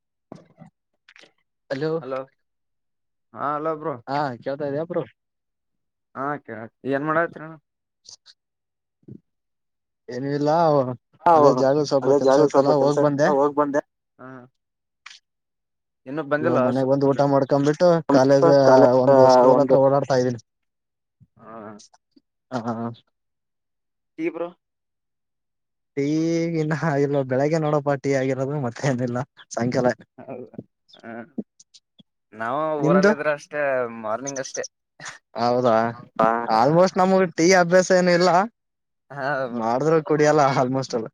[inaudible] Hello ಹಾ hello ಹಾ ಕೇಳ್ತಾ ಇದ್ದ ಅಬ್ರು ಆ ಕೆಲತ್ರಿ ಏನ್ ಮಾಡತ್ರಿ ಅಣ್ಣ ಹ [inaudible] ಏನ ಇಲ್ಲ ಹ್ಮ ಹಾ ಅದೇ ಜಾಗದ ಸ್ವಲ್ಪ ಅದೇ ಜಾಗ ಕೆಲ್ಸ ಸ್ವಲ್ಪ ಇತ್ತಲ್ಲ ಕೆಲ್ಸ ಹೋಗ್ ಬಂದೆ ಹೋಗ್ ಬಂದೆ ಹಾ ಇನ್ನು ಇವ ಬಂದಿಲ್ಲ ಮನೆಗ್ ಬಂದ್ ಸ್ಕೂಲ್ ಊಟ ಮಾಡ್ಕೊ್ಬಿಟ್ಟು ಕಾಲೇಜ್ ಕಾಲೇಜ್ ಒಂದು ಸ್ಕೂಲ್ ಒಂದು ಹತ್ರ ಓಡಾಡ್ತಾ ಇದ್ದೀನಿ ಹಾ ಹಾ ಟೀ ಬ್ರೋ ಟೀ ಈಗ ಇನ್ನು ಇಲ್ಲ ಬೆಳಗ್ಗೆ ನೋಡೋಬಾ ಟೀ ಆಗಿರೋದು ಮತ್ತೆ ಏನಿಲ್ಲ ಸಾಯಂಕಾಲ ಹೌದ ಹ ನಾವು ನಿಮ್ದು ಊರಲ್ಲ ಇದ್ರೆ ಅಷ್ಟೇ ಮಾರ್ನಿಂಗ್ ಅಷ್ಟೇ ಹೌದಾ ಹ ಆಲ್ಮೋಸ್ಟ್ ನಮ್ಗ್ ಟೀ ಆ ಅಭ್ಯಾಸ ಏನು ಇಲ್ಲ ಹಾ ಬ್ರೋ ಮಾಡಿದ್ರರು ಕುಡಿಯಲ್ಲ ಆಲ್ಮೋಸ್ಟ್ ಎಲ್ಲ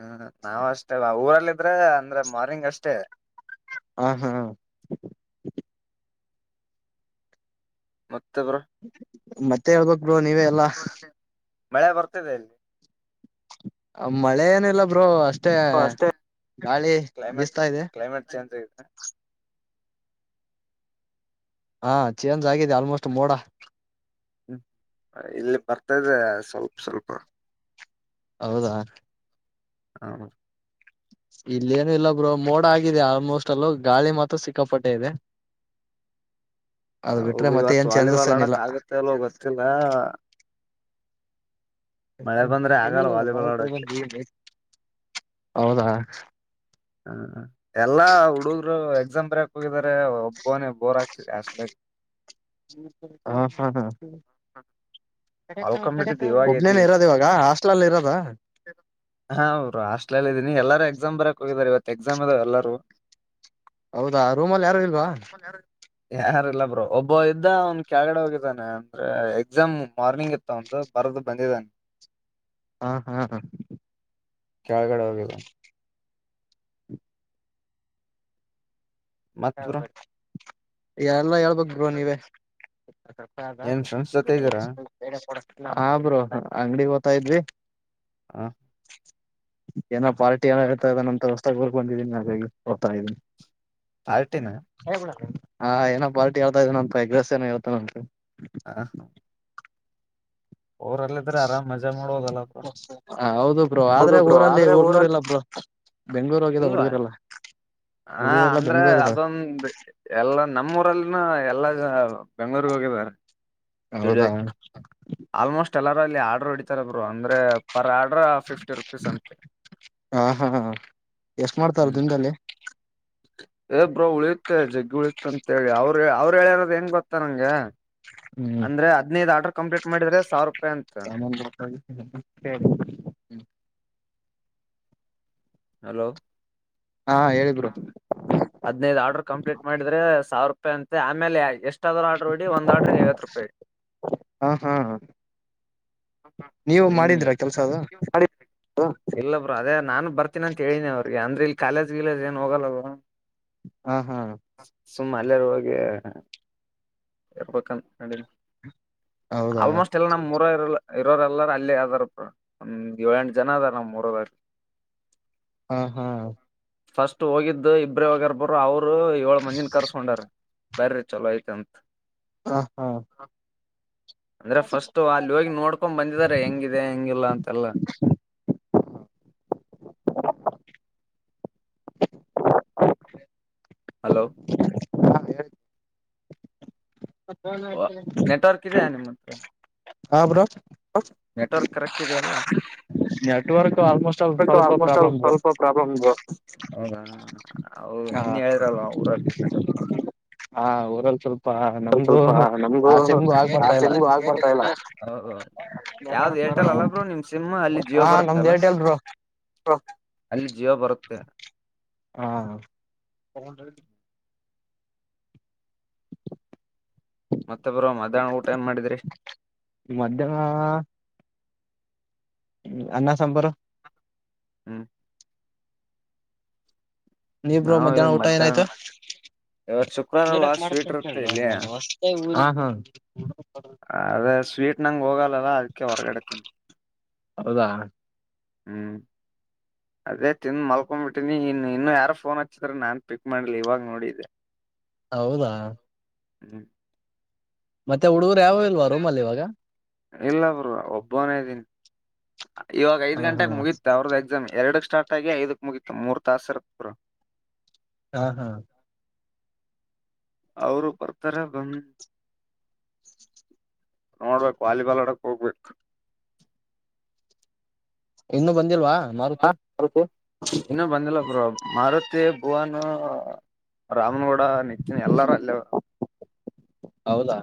ಹ್ಮ ನಾವ್ ಅಷ್ಟೇ ಊರಲ್ಲ ಇದ್ರೆ ಅಂದ್ರೆ ಮಾರ್ನಿಂಗ್ ಅಷ್ಟೇ ಹ ಹಾ ಮತ್ತೆ ಬ್ರೋ ಮತ್ತೆ ಹೇಳ್ಬೇಕು ಬ್ರೋ ನೀವೇ ಎಲ್ಲಾ ಮಳೆ ಬರ್ತದೆ ಲ್ಲಿ ಮಳೆ ಏನ ಇಲ್ಲಾ ಬ್ರೋ ಅಷ್ಟ ಅಷ್ಟೇ ಮತ್ತೆ ಗಾಳಿ ಕ್ಲೈಮೇಟ್ ಬೀಸ್ತಾ ಇದೆ ಕ್ಲೈಮೇಟ್ ಚೇಂಜ್ ಆಗಿದೆ ಹಾ ಚೇಂಜ್ ಆಗಿದೆ ಆಲ್ಮೋಸ್ಟ್ ಮೋಡಾ ಹ್ಮ ಇಲ್ಲಿ ಬರ್ತದೆ ಸ್ವಲ್ಪ ಸ್ವಲ್ಪ ಹೌದಾ ಹ ಇಲ್ಲೇನು ಇಲ್ಲ ಬ್ರೋ ಮೋಡ ಆಗಿದೆ ಆಲ್ಮೋಸ್ಟ್ ಅಲ್ಲೋ ಗಾಳಿ ಮಾತ್ರ ಸಿಕ್ಕಾಪಟ್ಟೆ ಇದೆ ಅದ್ ಬಿಟ್ರೆ ಹೌದು ಮತ್ತೆ ಇವತ್ ಏನ್ ಚೇಂಜಸ್ ವಾಲಿಬಾಲ್ ಏನಿಲ್ಲ ಆಡಕ್ ಆಗತ್ತೆ ಇಲೋ ಗೊತ್ತಿಲ್ಲಾ ಬಂದ್ರೆ ಆಗಲ್ಲ ಎಲ್ಲಿಗೆಲ್ಲ ವಾಲಿಬಾಲ್ ಆಡಕ್ಕೆ ಹೌದಾ ಹ ಎಲ್ಲಾ ಹುಡುಗ್ರು ಎಕ್ಸಾಮ್ ಬರಕ್ ಹೋಗಿದಿದ್ದಾರೆ ಒಬ್ಬನೇ ಬೋರ್ ಆಕ್ತ [unintelligible] ಹಾ ಹಾ ಹಾ ಹ ಒಬನೇನ ಇರೋದು ಇವಾಗ ಹಾಸ್ಟೆಲ್ನಲ್ಲಿ ಇರೋದಾ ಹಾ ಅವ್ರು ಹಾಸ್ಟೆಲ್ನಲ್ಲಿ ಇದೀನಿ ಎಲ್ಲಾರೂ ಎಕ್ಸಾಮ್ ಬರೆಕ್ ಹೋಗಿದ್ದಾರೆ ಇವತ್ ಎಕ್ಸಾಮ್ ಇದಾವ ಎಲ್ಲಾರೂ ಹೌದಾ ರೂಮ ಅಲ್ಲಿ ಯಾರು ಇಲ್ವಾ ಯಾರಲ್ಲ ಬ್ರೋ ಒಬ್ಬ ಇದ್ದ ಅವ್ನ್ ಕೆಳಗಡೆ ಹೋಗಿದ್ದಾನೆ ಅಂದ್ರೆ ಎಕ್ಸಾಮ್ ಮಾರ್ನಿಂಗ್ ಇತ್ತೊಂದು ಬರೆದು ಬಂದಿದ್ದಾನೆ ಹಾ ಹಾ ಹಾ ಕೆಳಗಡೆ ಹೋಗಿದಾರೆ ಮತ್ ಹೌ ಬ್ರೋ ಬರಿ ಎಲ್ಲಾ ಹೇಳ್ಬೇಕ ಬ್ರೋ ನೀವ ಏನ್ ಫ್ರೆಂಡ್ಸ್ ಜೊತೆ ಇದ್ದೀರಾ ಹಾ ಬ್ರು ಅಂಗಡಿಗಿ ಹೋಗ್ತಾ ಇದ್ವಿ ಹಾ ಏನೋ ಪಾರ್ಟಿ ಏನ ಇತ ಅದನ್ನಂತ ಹೊಸ್ತಾಗಿ ಓರ್ಕೊಂಡಿದೀನಿ ನ ಹೋಗ್ತಾ ಇದ್ದೀನಿ ಪಾರ್ಟಿನ ಹಾ ಏನೋ ಪಾರ್ಟಿ ಹೇಳತಾ ಇದನಂತ್ ಅ ಎಗ್ ರೈಸ್ ಹೇಳ್ತಾನಂತೆ ಹಾ ಹಾ ಆರಾಮ್ ಮಜಾ ಮಾಡೋದಲ್ಲಪ್ಪ ಹ ಹೌದು ಬ್ರೋ ಹೌದು ಆದ್ರೆ ಬ್ರೋ ಊರಲ್ಲಿ ಆದ್ರೆ ಊರಲ್ಲಿ ಹುಡುಗರಿಲ್ಲ ಬ್ರೋ ಬೆಂಗಳೂರು ಹೋಗಿದ ಇಲ್ವಾ ಹುಡುಗರೆಲ್ಲಾ ಹ ಅಂದ್ರೆ ಅದೊಂದು ಎಲ್ಲ ನಮ್ಮೂಊರಲ್ಲಿನ್ ಹ ಎಲ್ಲ ಬೆಂಗಳೂರಗ ಹೋಗಿದಿದ್ದಾರೆ ಹೌದಾ ಎಲ್ಲಾರ ಅಲ್ಲಿ ಆರ್ಡರ್ ಹೊಡಿತಾರೆ ಬ್ರೋ ಅಂದ್ರೆ ಪರ್ ಆಡ್ರ ಫಿಫ್ಟಿ ರುಪೀಸ್ ಅಂತೆ ಹಾ ಹಾ ಎಷ್ಟ ಮಾಡ್ತಾರ ಹ್ಮ್ ದಿನದಲ್ಲಿ ಏ ಬ್ರೋ ಉಳಿಯುತ್ತೆ ಜಗ್ಗಿ ಉಳಿತ ಅಂತೇಳಿ ಅವರು ಅವ್ರು ಹೇಳಿರೋದ ಏನ್ ಗೊತ್ತಾ ನಂಗೆ ಹ್ಮ್ ಅಂದ್ರೆ ಹದ್ನೈದು ಆರ್ಡರ್ ಕಂಪ್ಲೀಟ್ ಮಾಡಿದ್ರೆ ಸಾವಿರ ರೂಪಾಯಿ ಅಂತ ಸಾಮಾನ್ [unintelligible] ಹಲೋ ಹಾ ಹೇಳಿ ಬ್ರೋ ಹದ್ನೈದು ಆರ್ಡ್ರ ಕಂಪ್ಲೀಟ್ ಮಾಡಿದ್ರೆ ಸಾವಿರ ರೂಪಾಯಿ ಅಂತೆ ಆಮೇಲೆ ಎಷ್ಟ ಎಷ್ಟಾದ ಆರ್ಡ್ರ ಹೊಡಿ ಒಂದ್ ಆರ್ಡ್ರ ಐವತ್ತು ರೂಪಾಯಿ ಹಾ ಹಾ ನೀವು ಮಾಡಿದ್ರಾ ಕೆಲ್ಸ ಅದು ಹ ಇಲ್ಲ ಬ್ರೋ ಅದೇ ನಾನು ಬರ್ತೀನಿ ಅಂತ ಹೇಳನಿ ಅವ್ರಿಗೆ ಅಂದ್ರೆ ಇಲ್ಲಿ ಕಾಲೇಜ್ ಗೀಲೇಜ ಏನ್ ಹೋಗಲ್ಲ ಬ್ರೋ. ಹಾ ಹಾ ಸುಮ್ಮ ಅಲ್ಲರ್ ಹೋಗಿ ಇರ್ಬೇಕಂತ ಮಾಡೀನಿ. ಹೌದಾ ಆಲ್ಮೋಸ್ಟ್ ಎಲ್ಲ ನಮ್ಮ್ ಇರೋರೆಲ್ ಇರೋರೆಲ್ಲಾರ ಅಲ್ಲೇ ಅದಾರ ಬ್ರೋ ಒಂದ್ ಏಳ ಎಂಟು ಜನ ಅದಾರ ನಮ್ಮ್ ಊರೊರಲ್ಲಿ. ಹಾ ಹಾ ಫಸ್ಟ್ ಹೋಗಿದ್ದು ಇಬ್ರ ಹೋಗ್ಯಾರಬುಡ್ರ ಅವ್ರು ಏಳ ಮಂದಿನ ಕರ್ಸ್ಕೊಂಡರ್. ಬರ್ರಿ ಚಲೋ ಆಯ್ತತ್. ಹ ಹಾ ಅಂದ್ರೆ ಫಸ್ಟ್ ಅಲ್ಲಿ ಹೋಗಿ ನೋಡ್ಕೊಂಡ್ ಬಂದಿದ್ದಾರೆ ಹೆಂಗಿದೆ ಹೆಂಗಿಲ್ಲ ಅಂತ. ಚಲ್ಲ ಹಲೋ ಪೆಟ್ರೋಲಾ ಇಟ್ಟಾರಿಲ್ಲಿ ನೆಟ್ವರ್ಕ್ ಹಾ ಬ್ರೋ. ಹ ನೆಟ್ವರ್ಕ್ ಕರೆಕ್ಟ್ ಇದೆಯಲ್ವಾ. ನೆಟ್ವರ್ಕ್ ಆಲ್ಮೋಸ್ಟ್ ಆಲ್ ಇದು ಬಿಟ್ಟು ಸ್ವಲ್ಪ ಆಲ್ಮೋಸ್ಟ್ ಅ ಪ್ರಾಬ್ಲಮ್ ಬ್ರೋ ಸ್ವಲ್ಪ ಪ್ರಾಬ್ಲಮ್ ಬ್ರೋ. ಹೌದಾ ಅವು ಹ ನಿನ್ನೆ ಹೇಳಿರಲ್ವಾ ಊರಾಗ ಇರ್ತೈತಂತ. ಹಾ ಊರಲ್ಲಿ ಸ್ವಲ್ಪ ಸ್ಲ್ಪ ನಮ್ಗೂ ಸ್ವಲ್ಪ ನಮಗು ಆ ಸಿಮ್ಗೂ ಆಗ್ ಆ ಬರ್ತಾ ಇಲ್ಲ ಸಿಂಗೂ ಆಗ್ಬರ್ತ ಇಲ್ಲ. ಹ ಯಾವ್ದ್ ಏರ್ಟೆಲ್ ಅಲ್ಲ ಬ್ರೋ ನಿಮ್ ಸಿಮ್ ಅಲ್ಲಿ ಜಿಯೋ ಹಾ ನಮ್ದು ಬರುತ್ತಲ್ಲ ಏರ್ಟೆಲ್ ಬ್ರೋ ತೋ ಅಲ್ಲಿ ಜೀವ ಬರುತ್ತೆ. ಹ ಮತ್ತೆ ಬ್ರೋ ಮಧ್ಯಾಹ್ನ ಊಟ ಏನ್ ಮಾಡಿದ್ರಿ. ಮಧ್ಯಾಹ್ನ ಅನ್ನ ಸಾಂಬಾರು. ಹ್ಮ್ ನೀಬ್ರು ನಾವು ಇಲ್ ಮಧ್ಯಾಹ್ನ ಊಟ ಏನಾಯ್ತು ಇವತ್ ಶುಕ್ರವಾರ ಅಲ್ವಾ ಎದಕ್ಕ ಸ್ವೀಟ್ ಮಾಡ್ತಂತಲ್ ಇರುತ್ತೆ ಇಲ್ಲಿ ನಾನು ಅಷ್ಟೇ ಅದೇ ಸ್ವೀಟ್ ನಂಗ ಹೋಗಲ್ಲಲ್ಲ ಅದಕ್ಕೆ ಹೊರಗಡೆತಿನ. ಹೌದಾ ಹು ಅದೇ ತಿಂದ್ ಮಲ್ಕೊಬಿಟ್ಟೀನಿ ಇನ್ನ ಇನ್ನು ಯಾರ ಫೋನ್ ಹಚ್ಚಿದ್ರ ನಾನ್ ಪಿಕ್ ಮಾಡಿಲ್ಲ ಇವಾಗ ನೋಡಿದ್ಯಾ. ಹೌದಾ ಹ್ಮ್ ಮತ್ತೆ ಹುಡುಗರು ಯಾವು ಮತ್ತೆ ಇಲ್ವಾ ಹುಡುಗರು ರೂಮ ಅಲ್ಲಿ ಯಾವಾಗ ಇವಾಗ ಇಲ್ಲ ಬ್ರೋ ಒಬ್ಬನೇ ಇದೀನಿ ಇವಾಗ ಐದ್ ಹ ಹಾ ಗಂಟೆಗೆ ಮುಗೀತ ಅವ್ರದ ಎಕ್ಸಾಮ್ ಎರಡ ಕ ಎರಡಕ್ ಸ್ಟಾರ್ಟ್ ಆಗಿ ಐದಕ್ ಮುಗೀತ ಮೂರ್ ತಾಸ ಇರುತ್ತ ಬ್ರೋ. ಹಾ ಹಾ ಅವರು ಬರ್ತಾರ ಬಂದ ನೋಡ್ಬೇಕು ವಾಲಿಬಾಲ್ ಆಡಕ್ ಹೋಗ್ಬೇಕ. ಇನ್ನುೂ ಬಂದಿಲ್ವಾ ಹಾ, ಮಾರುತಿ. ಮಾರುತಿ ಇನ್ನೂ ಬಂದಿಲ್ಲ ಬ್ರೋ ಮಾರುತಿ ಭುವನ್ ರಾಮನಗೌಡ. ಕಡ ನಿತ್ತೀನಿ ಎಲ್ಲರ ಅಲ್ಲಿಅವ್ರ. ಹೌದಾ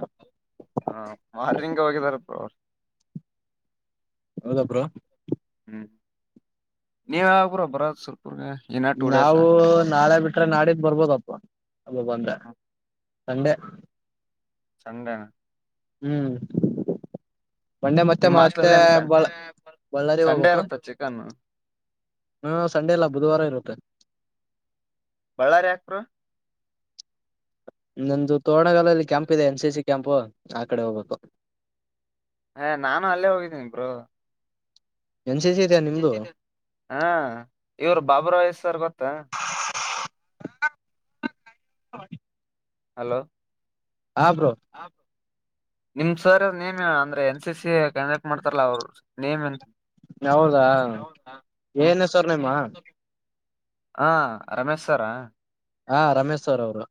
ಹ ಮಾರ್ನಿಂಗ್ ಹೋಗಿದಾರ ಪ ಅವ್ರು. ಹೌದ ಬ್ರೋ. ನೀವು ಯಾವಾಗ ಬ್ರೋ ಬರದ ಸೂರ್... ನಾವು ನಾಳೆ ಬಿಟ್ರೆ ನಾಡಿದ್ದ ಬರ್ಬೋದಪ್ಪ ಅದು ಬಂದ್ರೆ. ಸಂಡೆ ಸಂಡೇ ಹ್ಮ್ ಮಂಡೆ ಮತ್ತೆ ನಿಮ್ ಮತ್ತೆ ಹಾಸ್ಟೆಲ್ ಏನ್ ಬ ಬಳ್ಳಾರಿ ಸಂಡೇ ಹೋಗ್ಬೇಕು ಇರುತ್ತ ಚಿಕನ್ ಹಾ ಸಂಡೆ ಎಲ್ಲ ಬುಧವಾರ ಇರುತ್ತೆ ಬಳ್ಳಾರಿ ಯಾಕ್ರ ನಮ್ದು ತೋರಣಗಾಲದಲ್ಲಿ ಕ್ಯಾಂಪ್ ಇದೆ ಎನ್ ಸಿ ಸಿ ಕ್ಯಾಂಪು ಆ ಕಡೆ ಹೋಗ್ಬೇಕು ಹ ನಾನು ಅಲ್ಲೇ ಹೋಗಿದ್ದೀನಿ ಇಬರು ಎನ್ ಸಿ ಸಿ ಇದೆಯಾ ನಿಮ್ದು ಹಾ ಇವರು ಬಾಬುರಾಯ ಸರ್ ಗೊತ್ತಾ [inaudible] ಹಲೋ ಹಾ ಬ್ರೋ ನಿಮ್ ಸರ್ ನೇಮ್ ಅಂದ್ರೆ ಎನ್ ಸಿ ಸಿ ಕಂಡಕ್ಟ್ ಮಾಡ್ತಾರಲ್ಲಾ ಅವ್ರು ನೇಮ್ ಹೌದಾ ಹ್ಮ್ ಏನ್ ಹೆಸರ್ ನಿಮ್ಮ ಹಾ ರಮೇಶ್ ಸರ್ ಹಾ ರಮೇಶ್ ಅವರ ಅವರು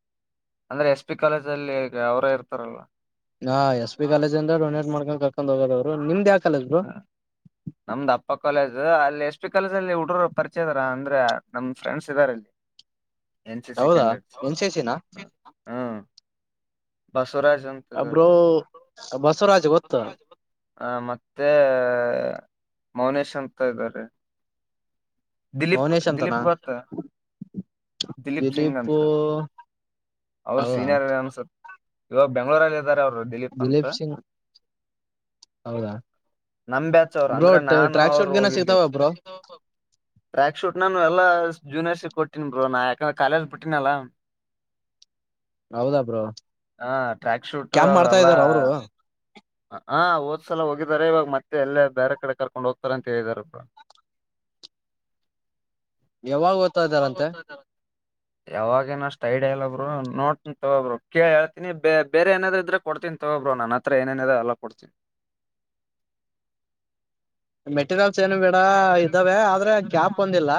ಅಂದ್ರೆ ಎಸ್ ಪಿ ಕಾಲೇಜ್ ಅಲ್ಲಿ ಅವರೇ ಇರ್ತಾರಲ್ಲ ಹಾ ಎಸ್ ಪಿ ಕಾಲೇಜ್ಂದ ಡನೇಟ್ ಮಾಡ್ಕೊಂಡ್ ಕಕೊಂಡ್ ಹೋಗದವರು ನಿಮ್ದ ಯಾಕ ಹ ನಮ್ದ ಅಪ್ಪ ಕಾಲೇಜ್ ಅಲ್ಲಿ ಎಸ್ ಪಿ ಕಾಲೇಜ ಅಲ್ಲಿ ಹುಡುಗರು ಪರಿಚಯದಾರ ಅಂದ್ರೆ ನಮ್ ಫ್ರೆಂಡ್ಸ್ ಇದಾರೆಲ್ಲಿ ಹೌದಾ ಎನ್ ಸಿಸಿನ ಹಾ ಬಸ್ ಸ್ವರಾಜ ಅಂತದರ್ ಬ್ರೋ ಬಸವರಾಜ್ ಗೊತ್ತು ಹ ಮತ್ತೆ ಮೌನೇಶ್ ಅಂತ ಇದ್ದಾರೆ ದಿಲೀಪ್ ಮೌನೇಶ್ ಅಂತನಾ ದಿಲೀಪ್ ಗೊತ್ತಾ ದಿಲೀಪ್ ಸಿಂಗ್ ಅಂತ ಅವರು ಹೌದಾ ಸೀನಿಯರ್ ಅನ್ಸುತ್ತ ಇವಾಗ ಬೆಂಗ್ಳೂರಲ್ಲಿ ಇದಾರೆ ಅವರು ದಿಲೀಪ್ ಅಂತ ಹೌದಾ ನಮಂಬ್ಯಾಚ ಅವರು ಬ್ರೋ ಅಂದ್ರೆ ನಾನು ಟ್ರ್ಯಾಕ್ ಅವರು ಶೂಟ್ ಗಿನ ಹೋಗಿದ್ದೀಿ ಸಿಗ್ತಾವ ಬ್ರೋ ಟ್ರ್ಯಾಕ್ ಶೂಟ್ ನಾನು ಎಲ್ಲಾ ಜೂನಿಯರ್ಸಿಟಿ ಕೊಟ್ಟೀನ್ಿ ಬರು ನಾ ಯಾಕಂದ್ರೆ ಕಾಲೇಜ್ ಬಿಟ್ಟನಲ್ಲ ಹೌದಾ ಬ್ರೋ ಹಾ ಟ್ರ್ಯಾಕ್ ಶೂಟ್ ಕ್ಯಾಂಪ್ ಮಾಡ್ತಾ ಅವೆಲ್ಲಾ ಇದಾರ ಅವರು ಹಾ ಹಓದ್ಸಲ ಹೋಗಿದಿದ್ದಾರೆ ಇವಾಗ ಮತ್ತೆ ಎಲ್ಲೇ ಬೇರೆ ಕಡೆ ಕರ್ಕೊಂಡ್ ಹೋಗ್ತಾರ ಅಂತ ಹೇಳಿದಾರಬ್ಬ ಯಾವಾಗ ಓದ್ತಾ ಇದಾರಂತೆ ಯಾವಾಗ ಏನಷ್ಟ ಐಡಿಯಾ ಇಲ್ಲಬ್ರು ನೋಡ್ತನಿ ತಗೊಬರು ಕೇಳ ಹೇಳ್ತಿನಿ ಬೇರೆ ಏನಾದ್ ಇದ್ರೆ ಕೊಡ್ತೀನಿ ತಗೊ ಬ್ರೋ ನಾನ ಹತ್ರ ಏನೇನ ಅದ ಎಲ್ಲ ಕೊಡ್ತೀನಿ ಮೆಟೀರಿಯಲ್ಸ್ ಏನು ಬಿೇಡ ಇದ್ದಾವೆ ಆದ್ರೆ ಕ್ಯಾಪ್ ಬಂದಿಲ್ಲ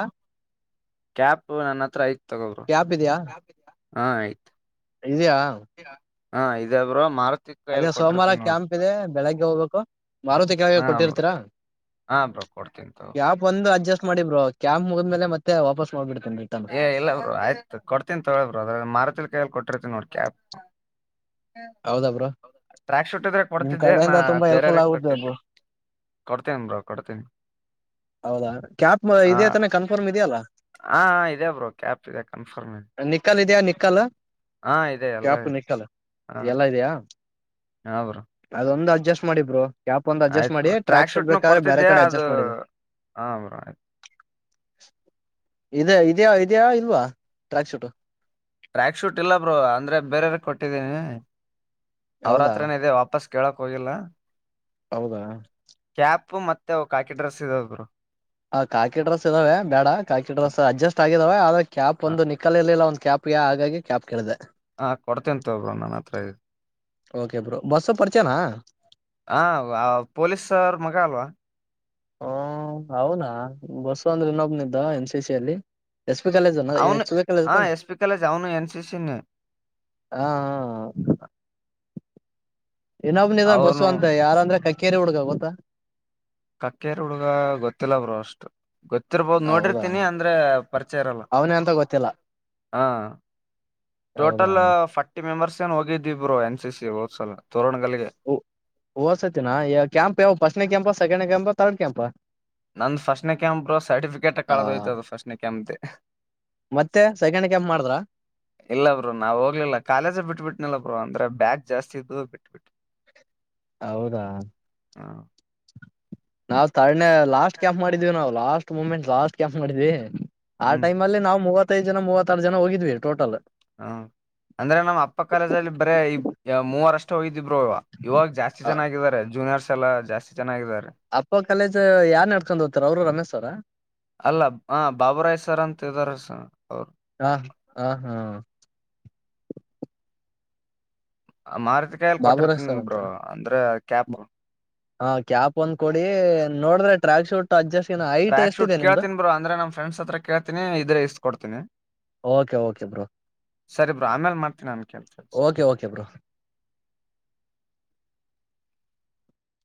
ಕ್ಯಾಪ್ ನನ್ನ ಹತ್ರ ಆಯ್ತು ತಗೋರು ಕ್ಯಾಪ್ ಇದೆಯಾ ಹ ಆಯ್ತ ಇದೆಯಾ ಆ ಇದೆ ಗುರು ಅದೇ ಸೋಮವಾರ ಕ್ಯಾಂಪ್ ಇದೆ ಬೆಳಿಗ್ಗೆ ಹೋಗ್ಬೇಕು ಮಾರುತಿ ಕಾಗ ಕೊಟ್ಟಿರ್ತೀರಾ ಹಾ ಬ್ರೋ ಕೊಡ್ತೀನ್ ಬ್ರೋ ಮಾಡಿದ್ರರು ಕ್ಯಾಪ್ ಮುಗಿದ ಮೇ ಮತ್ತೆ ವಾಪಸ್ ಮಾಡಬಿರು ಏ ಇಲ್ಲ ಬ್ರರು ಆಯ್ತು ಕೊಡ್ತೀಿ ತೊಳಳ್ ಬ್ರರು ಅದ್ರ ಮಾರುತಿಲ್ ಕೈಯಲ್ಲಿ ಕೊಟ್ಟಿರ್ತೀಿ ನೋಡ್ ಕ್ಯಾಪ್ ಹೌದಾ ಬ್ರೋ ಟ್ರ್ಯಾಕ್ ಶುಟ್ ಇದ್ರೆ ನಿಮ್ ಕೊಡ್ತಿದ್ದೆ ನಾ ಕಡೆಯಿಂದ ತುಂಬಾ ಬೇರೆಯವ್ರ ಹೆಲ್ಪ್ಫುಲ್ ಆಗುತ್ತೆ ಕೊಟ್ಟಿದ್ದೆ ಬ್ರೋ ಕೊಡ್ತೀನಿ ಬ್ರೋ ಕೊಡ್ತೀನಿ ಹೌದಾ ಕ್ಯಾಪ್ ಹಾ ಇದದೆತಾನೆ ಕನ್ಫರ್ಮ್ ಇದೆಯಲ್ಲ ಹಾ ಬ್ರೋ ಕ್ಯಾಪ್ ಕನ್ಫರ್ಮ್ ಕಲರ್ ಹಾ ಇದೆ ಎಲ್ಲ ಕ್ಯಾಪು ಇದೆ. ನಿಕ್ಕಲ್ ಹಾ ಎಲ್ಲಾ ಇದೆಯಾ ಹಾ ಬ್ರೋ ಅದೊಂದು ಅ ಅಡ್ಜಸ್ ಮಾಡಿದ್ರು ಕ್ಯಾಪ್ ಒಂದು ಅಡ್ಜಸ್ ಆಯ್ತು ಮಾಡಿ ಬ್ರೋ ಟ್ರಕ್ುಡ್ಬೇಕಾದ್ರೆ ಬೇರೆ ಕಡೆ ಅಡ್ಜಸ್ ಮಾಡಿದೆ ಹ ಗುರು ಇದ ಇದ್ಯಾ ಇದ್ಯಾ ಇಲ್ವಾ ಟ್ರ್ಯಾಕ್ ಸೂಟ್ ಟ್ರ್ಯಾಕ್ ಶೂಟ್ ಇಲ್ಲ ಬ್ರೋ ಅಂದ್ರೆ ಬೇರೆಯವ್ರ ಕೊಟ್ಟಿದೀನಿ ಅವ್ರ ಹೌದಾ ಹತ್ರನ ಇ ವಾಪಸ್ ಕೇಳಕ್ ಹೋಗಿಲ್ಲ ಹೌದಾ ಪ್ಪು ಮತ್ತೆ ಕಾಕಿ ಡ್ರೆಸ್ ಇದಾವೆ ಗುರು ಹ ಕಾಕಿ ಡ್ರೆಸ್ ಇದಾವೆ ಬೇಡ ಕಾಕಿ ಡ್ರೆಸ್ ಅಡ್ಜಸ್ಟ್ ಆಗಿದಾವೆ ಆದ್ರೆ ಕ್ಯಾಪ್ ಹಾ ಒಂದು ನಿಕಲ ಇರ್ಲಿಲ್ಲ ಕ್ಯಾಪ್ಗೆ ಹಾಗಾಗಿ ಕ್ಯಾಪ್ ಕೇಳಿದೆ ಹಾ ಕೊಡ್ತೇಂತ ಒಬ್ಬ್ರ ನನ್ನ ಹತ್ರ ಇದೇ ಓಕೆ ಬ್ರೋ ಬಸ್ಸ ಪರಿಚನಾ ಹ ಪೊಲೀಸ್ರ್ ಮಗ ಅಲ್ವಾ ಹ ಅವೌನಾ ಬಸ ಅಂದ್ರೆ ಇನ್ನೊಬ್ನ್ದ ಎನ್ ಸಿ ಸಿ ಅಲ್ಲಿ ಎಸ್ ಪಿ ಕಾಲೇಜ ಅವನು ಎಕ್ಸ್ ಕಾಲೇಜ್ ಹಾ ತಾನೇ ಎಸ್ ಪಿ ಕಾಲೇಜ್ ಅವನು ಎನ್ ಸಿ ಸಿನೇ ಹಾ ಹಾ ಇನೊಬ್ ಇದ್ದಾನೆ ಅವನು ಬಸ್ವಾ ಅಂತ ಯಾರ ಅಂದ್ರೆ ಕಕ್ಕೇರಿ ಹುಡ್ಗ ಗೊತ್ತ ಕಕ್ಕೇರ್ ಹುಡ್ಗ ಗೊತ್ತಿಲ್ಲ ಬ್ರೋ ಅಷ್ಟು ಗೊತ್ತಿರ್ಬೋದು ಹೌದಾ ನೋಡಿರ್ತೀನಿ ಅಂದ್ರೆ ಪರಿಚಯ ಇರಲ್ಲ ಅವನೇ ಅಂತ ಗೊತ್ತಿಲ್ಲ ಹ ಹೌದಾ ಟೋಟಲ್ ಫಾರರ್ಟಿ ಮೆಂಬರ್ಸ್ ಏನ್ ಹೋಗಿದ್ದಿ ಬ್ರೋ ಎನ್ ಸಿ ಸಿ ಹೋದ್ಸಲ ತೋರಣಗಲ್ಗೆ ಓದಸತ್ತಿನ ಕ್ಯಾಂಪ್ ಯಾವ ಫಸ್ಟ್ನ ಕ್ಯಾಂಪ ಸೆಕೆಂಡ ಕ್ಯಾಂಪ ತರ್ಡ್ ಕ್ಯಾಂಪ ನಂದ ಫಸ್ಟ್ನ ಕ್ಯಾಂಪ್ ಸರ್ಟಿಫಿಕೇಟ್ ಕಳೆದೋಯ್ತ ಫಸ್ಟ್ ನೆ ಕ್ಯಾಂಪಗೆ ಮತ್ತೆ ಸೆಕೆಂಡ್ ಕ್ಯಾಂಪ್ ಮಾಡಿದ್ರ ಇಲ್ಲ ಬ್ರೋ ನಾವ ಹೋಗ್ಲಿಲ್ಲ ಕಾಲೇಜ ಬಿಟ್ಬಿಟ್ಟನಿಲ್ಲ ಬ್ರೋ ಅಂದ್ರೆ ಬ್ಯಾಗ್ ಜಾಸ್ತಿ ಇದ ಬಿಟ್ು ಬಿಿಟ್ಟು ಹೌದಾ ನಾವು ತನ ಲಾಸ್ಟ್ ಕ್ಯಾಂಪ್ ಮಾಡಿದೀವಿ ನಾವು ಲಾಸ್ಟ್ ಮೂಮೆಂಟ್ ಲಾಸ್ಟ್ ಕ್ಯಾಂಪ್ ಮಾಡಿದ್ವಿ ಆ ಹ್ಮ್ ಟೈಮ್ ಅಲ್ಲಿ ನಾವುಮೂವತ್ತೈದು ಜನ ಮೂವತ್ತಾರು ಜನ ಹೋಗಿದ್ವಿ ಟೋಟಲ್ ಹ್ಮ ಅಂದ್ರೆ ನಮ್ಮ ಅಪ್ಪ ಕಾಲೇಜದಲ್ಲಿ ಬರೇ ಈ ಮೂವರಷ್ಟು ಹೋಗ ಬ್ರೋ ಇವ ಇವಾಗ ಜಾಸ್ತಿ ಚೆನ್ನಾಗಿದ್ದಾರೆ ಜೂನಿಯರ್ಸ್ ಎಲ್ಲ ಜಾಸ್ತಿ ಚೆನ್ನಾಗಿದ್ದಾರೆ ಅಪ್ಪ ಕಪಕ್ಕದಲೇ ಇದ್ ಯಾರ್ ನಡ್ಕೊಂಡ್ ಹೋಗ್ತಾರ ಅವರು ರಮೇಶ್ ಅವರ ಅಲ್ಲ ಹ ಬಾಬುರಾಯ್ ಸರ್ ಅಂತಾರ ಅವರು ಹ ಹ ಹಾ ಮಾರತಿ ಕಾಯಲ್ಲಿ ಬಾಬುರಾಜ್ ಸರ್ ಕೊಟ್ಟಿರ್ತನ್ಿ ಬರು ಅಂತನ ಅಂದ್ರ ಕ್ಯಾಪ್ ಹಾ ಕ್ಯಾಪ್ ಒಂದ್ ಕೊಡಿ ನೋಡ್ರೆ track suit adjust height track suit ಎಷ್ಟಿದೆ ನಿಮ್ದು ಕೇತಿನಿ ಬ್ರೋ ಅ್ರ ನ ಫ್ರಂಡ್ಸ್ತ್ರ ಕೇಳ್ತೀಿ ಇದೆ ಇಸ್ಕ ಕೊಡ್ತಿನಿ ಓಕೆ ಓಕೆ ಬ್ರೋ ಸರಿ ಬ್ರೋ ಆಮೇಲ್ ಮಾಡ್ತೀನಿ ನಮ ಕೆಲ್ ಫ್ರಂಡ ಓಕೆ ಓಕೆ ಬ್ರೋ